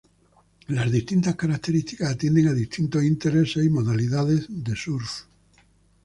Las distintas características atienden a distintos intereses y modalidades de surf.